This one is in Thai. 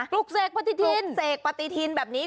ลูกเสกปฏิทินเสกปฏิทินแบบนี้